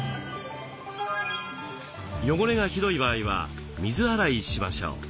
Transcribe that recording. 汚れがひどい場合は水洗いしましょう。